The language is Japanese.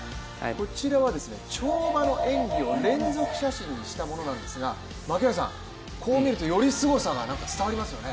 こちらは跳馬の演技を連続写真にしたものなんですが、槙原さん、こう見るとよりすごさが伝わりますよね。